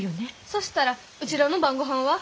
そしたらうちらの晩ごはんは？